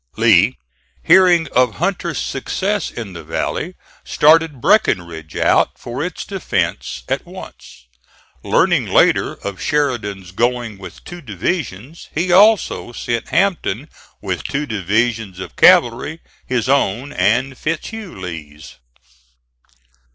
Lee, hearing of Hunter's success in the valley, started Breckinridge out for its defence at once. Learning later of Sheridan's going with two divisions, he also sent Hampton with two divisions of cavalry, his own and Fitz Hugh Lee's.